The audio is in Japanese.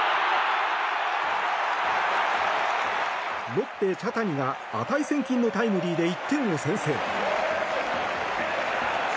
ロッテ茶谷が、値千金のタイムリーで１点を先制。